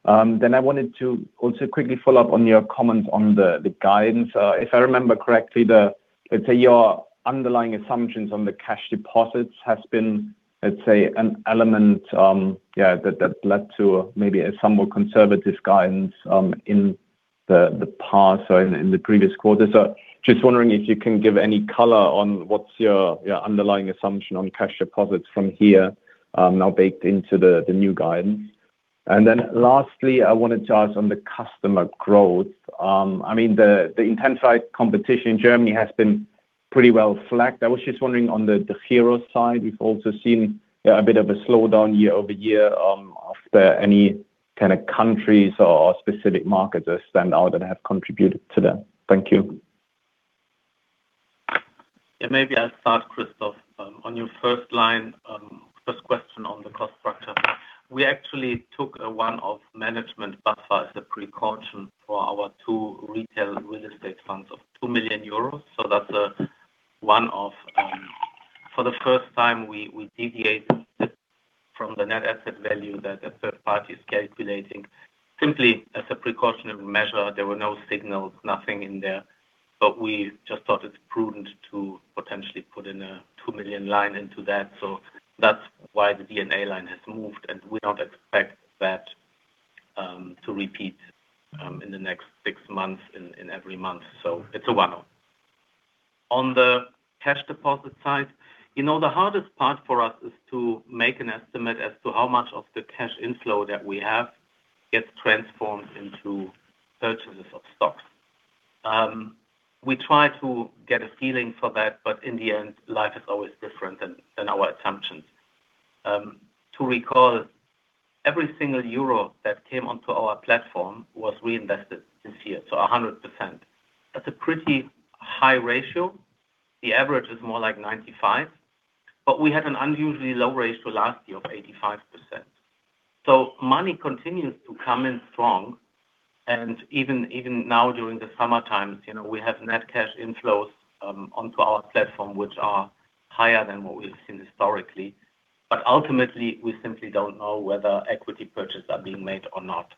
I wanted to also quickly follow up on your comments on the guidance. If I remember correctly, let's say your underlying assumptions on the cash deposits has been, let's say, an element that led to maybe a somewhat conservative guidance in the past or in the previous quarters. Just wondering if you can give any color on what's your underlying assumption on cash deposits from here now baked into the new guidance. Lastly, I wanted to ask on the customer growth. I mean, the intensified competition in Germany has been pretty well flagged. I was just wondering on the DEGIRO side, we've also seen a bit of a slowdown year-over-year. Are there any kind of countries or specific markets that stand out that have contributed to that? Thank you. Yeah. Maybe I'll start, Christoph on your first line, first question on the cost structure. We actually took a one-off management buffer as a precaution for our two retail real estate funds of 2 million euros. That's a one-off. For the first time, we deviate from the net asset value that a third party is calculating simply as a precautionary measure. There were no signals, nothing in there, but we just thought it prudent to potentially put in a 2 million line into that. That's why the D&A line has moved, and we don't expect that to repeat in the next six months in every month. It's a one-off. On the cash deposit side, the hardest part for us is to make an estimate as to how much of the cash inflow that we have gets transformed into purchases of stocks. We try to get a feeling for that, but in the end, life is always different than our assumptions. To recall, every single euro that came onto our platform was reinvested this year. 100%. That's a pretty high ratio. The average is more like 95%, but we had an unusually low ratio last year of 85%. Money continues to come in strong and even now during the summertime, we have net cash inflows onto our platform, which are higher than what we've seen historically. Ultimately, we simply don't know whether equity purchases are being made or not.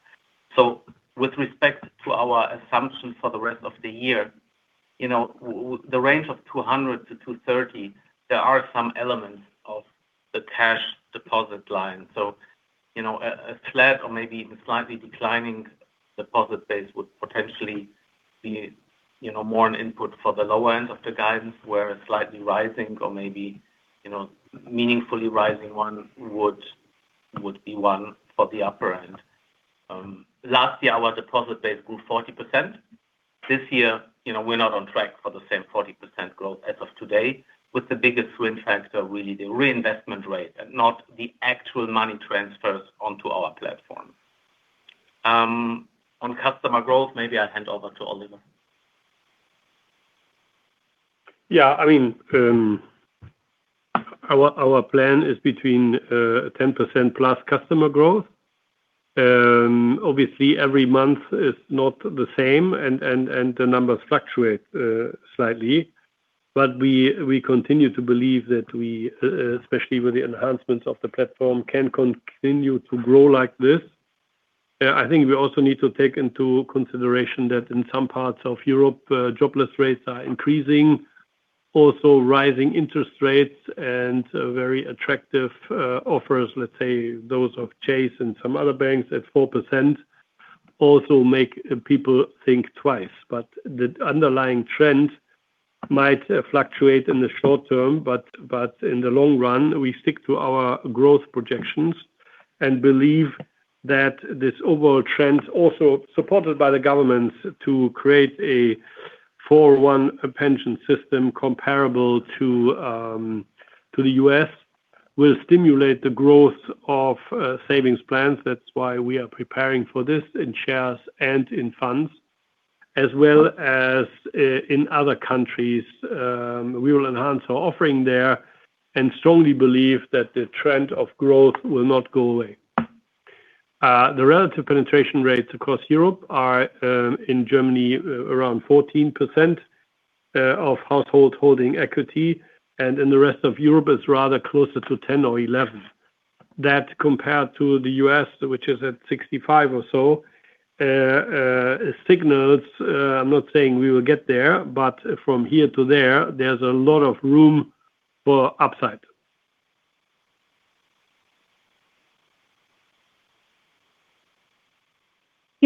With respect to our assumptions for the rest of the year, the range of 200 million-230 million, there are some elements of the cash deposit line. A flat or maybe even slightly declining deposit base would potentially be more an input for the lower end of the guidance, where a slightly rising or maybe meaningfully rising one would be one for the upper end. Last year, our deposit base grew 40%. This year, we're not on track for the same 40% growth as of today, with the biggest swing factor really the reinvestment rate and not the actual money transfers onto our platform. On customer growth, maybe I'll hand over to Oliver. Our plan is between 10%+ customer growth. Obviously, every month is not the same, and the numbers fluctuate slightly. We continue to believe that we, especially with the enhancements of the platform, can continue to grow like this. I think we also need to take into consideration that in some parts of Europe, jobless rates are increasing. Also, rising interest rates and very attractive offers, let's say, those of Chase and some other banks at 4%, also make people think twice. The underlying trend might fluctuate in the short term, but in the long run, we stick to our growth projections and believe that this overall trend, also supported by the governments to create a 401 pension system comparable to the U.S., will stimulate the growth of savings plans. That's why we are preparing for this in shares and in funds, as well as in other countries. We will enhance our offering there and strongly believe that the trend of growth will not go away. The relative penetration rates across Europe are, in Germany, around 14% of households holding equity, and in the rest of Europe, it's rather closer to 10% or 11%. That compared to the U.S., which is at 65% or so, signals, I'm not saying we will get there, but from here to there's a lot of room for upside.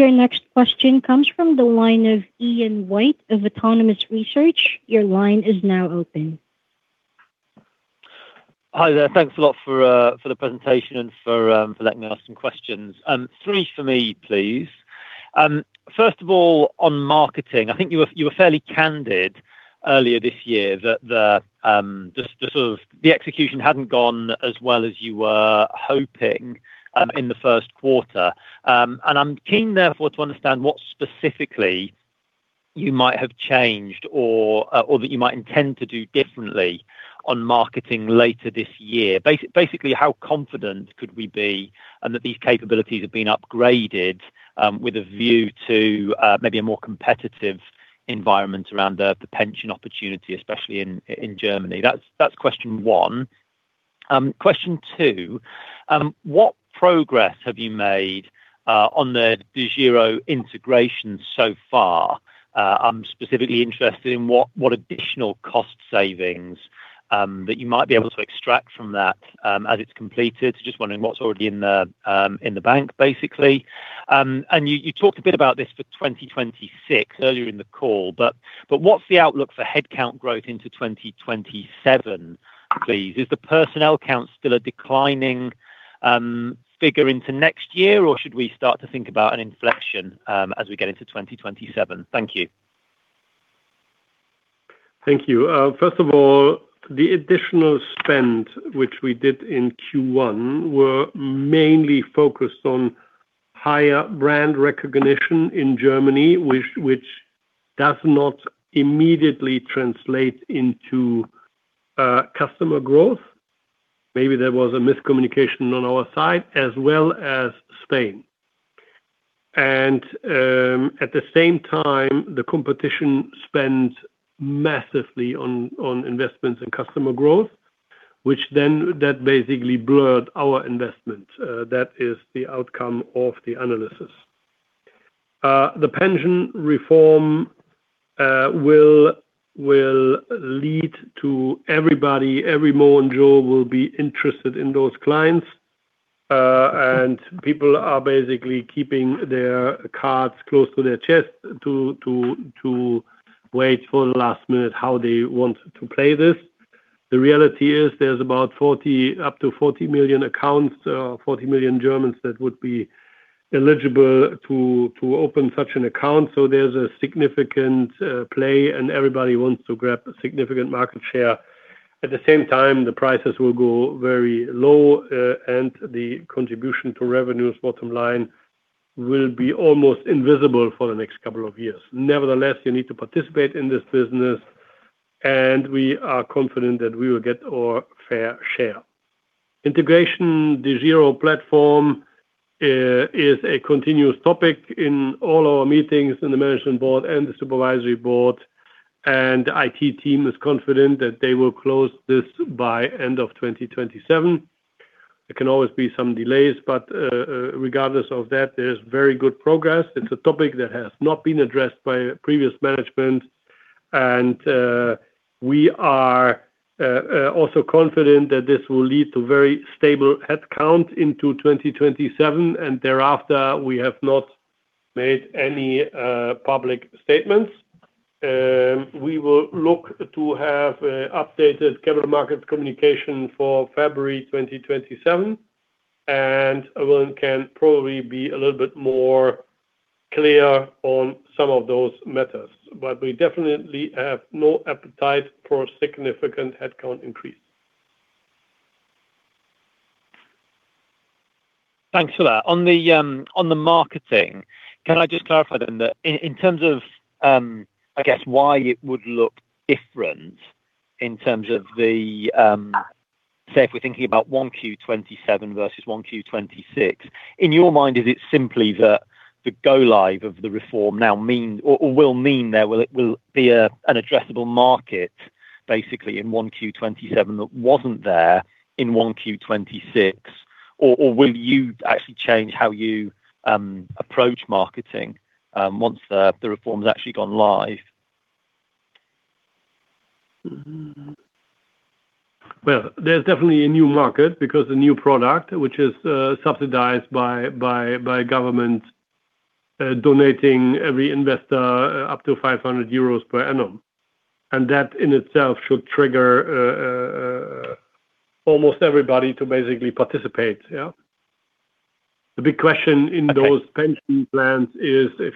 Your next question comes from the line of Ian White of Autonomous Research. Your line is now open. Hi there. Thanks a lot for the presentation and for letting me ask some questions. Three for me, please. First of all, on marketing, I think you were fairly candid earlier this year that the execution hadn't gone as well as you were hoping in the first quarter. I'm keen, therefore, to understand what specifically you might have changed or that you might intend to do differently on marketing later this year. Basically, how confident could we be that these capabilities have been upgraded with a view to maybe a more competitive environment around the pension opportunity, especially in Germany? That's question one. Question two, what progress have you made on the DEGIRO integration so far? I'm specifically interested in what additional cost savings that you might be able to extract from that as it's completed. Just wondering what's already in the bank, basically. You talked a bit about this for 2026 earlier in the call, but what's the outlook for headcount growth into 2027, please? Is the personnel count still a declining figure into next year, or should we start to think about an inflection as we get into 2027? Thank you. Thank you. First of all, the additional spend which we did in Q1 were mainly focused on higher brand recognition in Germany, which does not immediately translate into customer growth. Maybe there was a miscommunication on our side as well as Spain. At the same time, the competition spends massively on investments and customer growth, which basically blurred our investment. That is the outcome of the analysis. The pension reform will lead to everybody, every Moe and Joe will be interested in those clients. People are basically keeping their cards close to their chest to wait for the last minute how they want to play this. The reality is there's about up to 40 million accounts, 40 million Germans that would be eligible to open such an account. There's a significant play, and everybody wants to grab a significant market share. At the same time, the prices will go very low, and the contribution to revenues bottom line will be almost invisible for the next couple of years. Nevertheless, you need to participate in this business, and we are confident that we will get our fair share. Integration, the DEGIRO platform is a continuous topic in all our meetings in the management board and the supervisory board, and the IT team is confident that they will close this by end of 2027. There can always be some delays, but regardless of that, there's very good progress. It's a topic that has not been addressed by previous management, and we are also confident that this will lead to very stable headcount into 2027, and thereafter, we have not made any public statements. We will look to have updated capital market communication for February 2027, and one can probably be a little bit more clear on some of those matters. We definitely have no appetite for significant headcount increase. Thanks for that. On the marketing, can I just clarify then that in terms of, I guess, why it would look different in terms of the 1Q 2027 versus 1Q 2026. In your mind, is it simply the go live of the reform now or will mean there will be an addressable market basically in 1Q 2027 that wasn't there in 1Q 2026? Will you actually change how you approach marketing once the reform's actually gone live? There's definitely a new market because the new product, which is subsidized by government donating every investor up to 500 euros per annum. That in itself should trigger almost everybody to basically participate. Yeah? The big question in those pension plans is if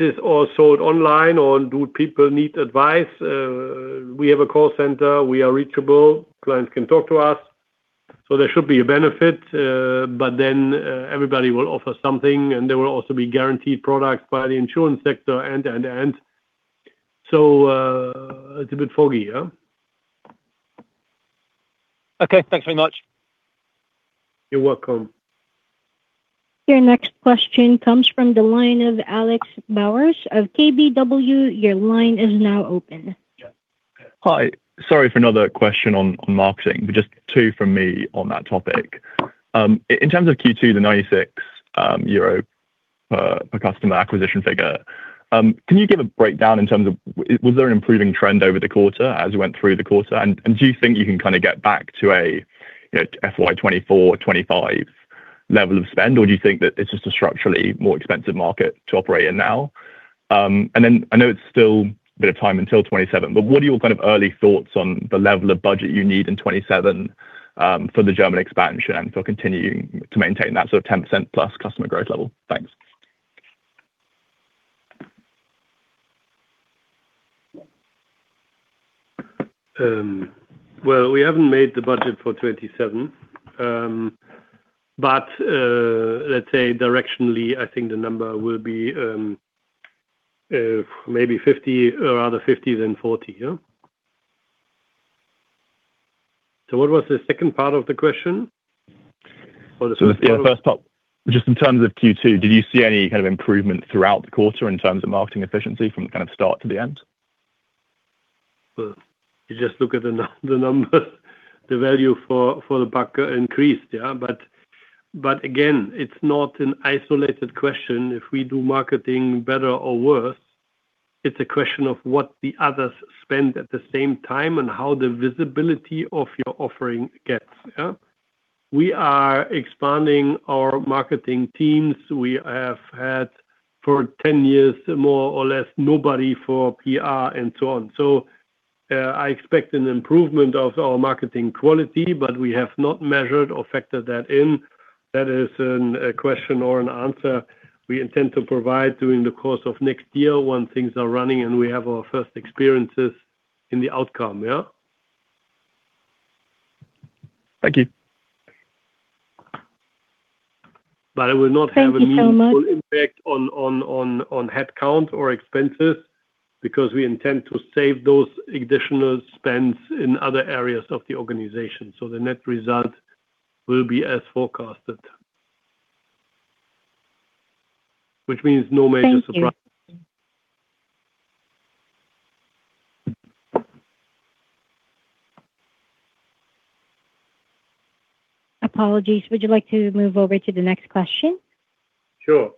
it all sold online or do people need advice? We have a call center. We are reachable. Clients can talk to us. There should be a benefit. Everybody will offer something, there will also be guaranteed products by the insurance sector, it's a bit foggy. Okay, thanks very much. You're welcome. Your next question comes from the line of Alex Bowers of KBW. Your line is now open. Yeah. Hi. Sorry for another question on marketing, but just two from me on that topic. In terms of Q2, the 96 euro customer acquisition figure, can you give a breakdown in terms of was there an improving trend over the quarter as you went through the quarter? Do you think you can kind of get back to a FY 2024, 2025 level of spend? Do you think that it's just a structurally more expensive market to operate in now? I know it's still a bit of time until 2027, but what are your kind of early thoughts on the level of budget you need in 2027 for the German expansion and for continuing to maintain that sort of 10%+ customer growth level? Thanks. Well, we haven't made the budget for 2027. Let's say directionally, I think the number will be maybe 50 or rather 50 than 40, yeah? What was the second part of the question? The first part, just in terms of Q2, did you see any kind of improvement throughout the quarter in terms of marketing efficiency from kind of start to the end? Well, you just look at the numbers. The value for the bucket increased, yeah. Again, it's not an isolated question if we do marketing better or worse. It's a question of what the others spend at the same time and how the visibility of your offering gets. Yeah? We are expanding our marketing teams. We have had for 10 years, more or less, nobody for PR and so on. I expect an improvement of our marketing quality, but we have not measured or factored that in. That is a question or an answer we intend to provide during the course of next year when things are running and we have our first experiences in the outcome. Yeah? Thank you. Thank you so much. It will not have a meaningful impact on headcount or expenses because we intend to save those additional spends in other areas of the organization. The net result will be as forecasted. Which means no major surprise. Thank you. Apologies. Would you like to move over to the next question? Sure.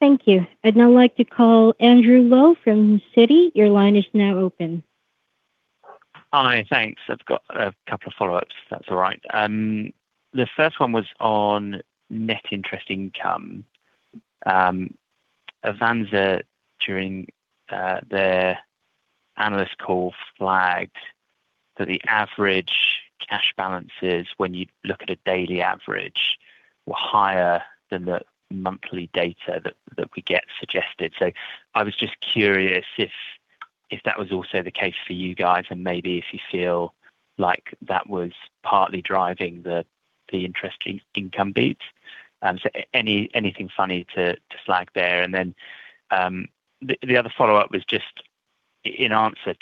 Thank you. I'd now like to call Andrew Lowe from Citi. Your line is now open. Hi, thanks. I've got a couple of follow-ups, if that's all right. The first one was on net interest income. Avanza, during their analyst call, flagged that the average cash balances when you look at a daily average were higher than the monthly data that we get suggested. I was just curious if that was also the case for you guys, and maybe if you feel like that was partly driving the interest income beat. Anything funny to flag there? The other follow-up was just in answer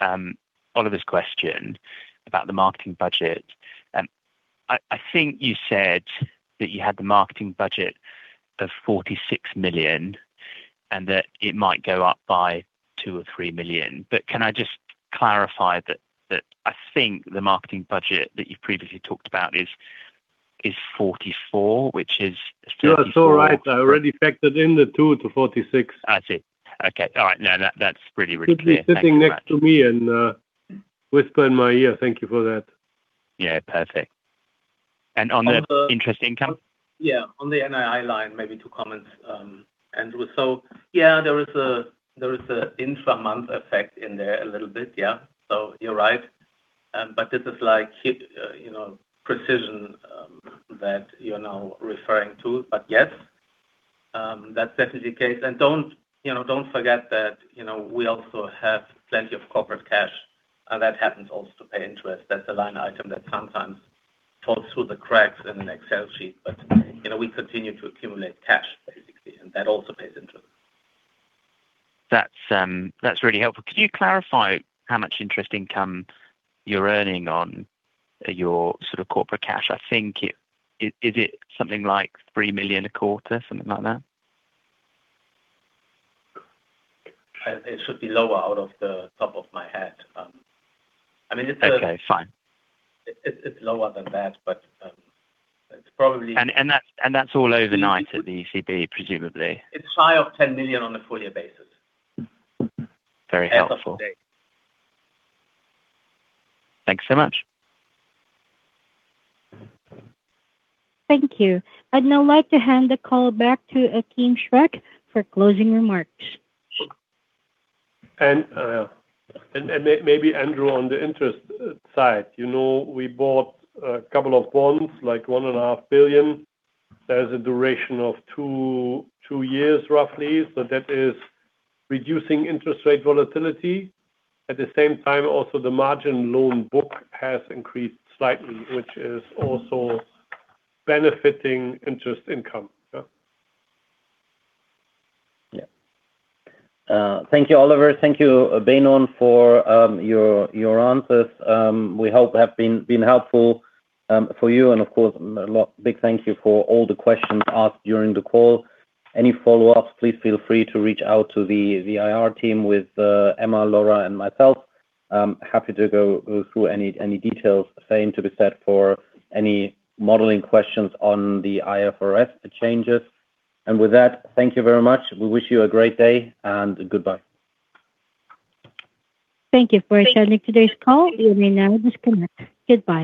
to Oliver's question about the marketing budget. I think you said that you had the marketing budget of 46 million and that it might go up by 2 million or 3 million. Can I just clarify that I think the marketing budget that you've previously talked about is 44 million, which is-- You are so right. I already factored in the 2 million to 46 million. I see. Okay. All right. No, that's really clear. Thank you very much. You should be sitting next to me and whisper in my ear. Thank you for that. Yeah. Perfect. On the interest income? Yeah. On the NII line, maybe two comments, Andrew. Yeah, there is an intra-month effect in there a little bit, yeah. You're right. This is like precision that you're now referring to. Yes, that's definitely the case. Don't forget that we also have plenty of corporate cash, and that happens also to pay interest. That's a line item that sometimes falls through the cracks in an Excel sheet. We continue to accumulate cash basically, and that also pays interest. That's really helpful. Could you clarify how much interest income you're earning on your corporate cash? I think, is it something like 3 million a quarter, something like that? It should be lower out of the top of my head. Okay, fine. It's lower than that, but it's probably. That's all overnight at the ECB, presumably. It's high of 10 million on a full year basis. Very helpful. As of today. Thanks so much. Thank you. I'd now like to hand the call back to Achim Schreck for closing remarks. Maybe Andrew on the interest side. We bought a couple of bonds, like 1.5 billion. There is a duration of two years roughly, so that is reducing interest rate volatility. At the same time also the margin loan book has increased slightly, which is also benefiting interest income. Yeah. Thank you, Oliver. Thank you, Benon, for your answers. We hope that have been helpful for you. Of course, a big thank you for all the questions asked during the call. Any follow-ups, please feel free to reach out to the IR team with Emma, Laura, and myself. I am happy to go through any details. Same to be said for any modeling questions on the IFRS changes. With that, thank you very much. We wish you a great day, and goodbye. Thank you for attending today's call. You may now disconnect. Goodbye.